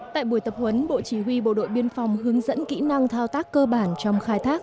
tại buổi tập huấn bộ chỉ huy bộ đội biên phòng hướng dẫn kỹ năng thao tác cơ bản trong khai thác